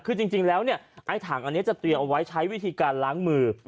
คือจริงแล้วเนี่ยไอ้ถังอันนี้จะเตรียมเอาไว้ใช้วิธีการล้างมือ